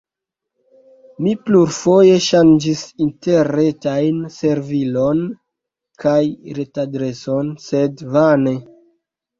Mi plurfoje ŝanĝis interretajn servilon kaj retadreson, sed vane.